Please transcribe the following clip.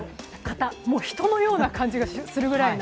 もう人のような感じがするぐらいな